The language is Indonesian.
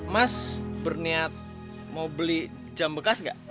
mas berniat mau beli jam bekas nggak